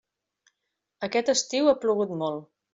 Aquest estiu ha plogut molt.